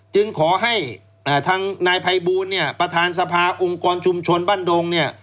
จึงขอให้ทางนายภัยบูรณ์ประธานสภาองค์กรชุมชนบ้านดง